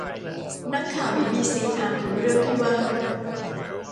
นักข่าวบีบีซีถามถึงเรื่องที่ว่า